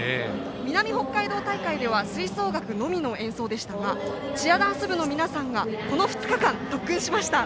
南北海道大会では吹奏楽のみの演奏でしたがチアダンス部の皆さんがこの２日間特訓しました。